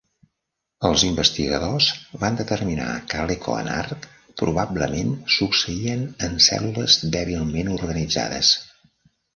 Els investigadors van determinar que l'eco en arc probablement succeïen en cèl·lules dèbilment organitzades.